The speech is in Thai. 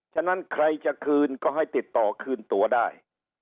ฉะนั้นใครจะคืนก็ให้ติดต่อคืนตัวได้